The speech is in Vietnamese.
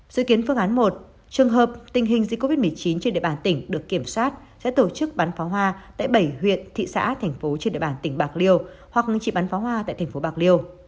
dự kiến phương án một trường hợp tình hình dịch covid một mươi chín trên địa bàn tỉnh được kiểm soát sẽ tổ chức bán pháo hoa tại bảy huyện thị xã thành phố trên địa bàn tỉnh bạc liêu hoặc chỉ bắn pháo hoa tại thành phố bạc liêu